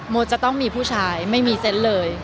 จะต้องมีผู้ชายไม่มีเซนต์เลย